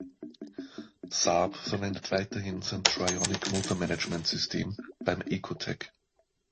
Saab verwendet weiterhin sein Trionic-Motormanagementsystem beim Ecotec.